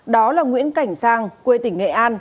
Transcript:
đó là nguyễn cảnh sang quê tỉnh nghệ an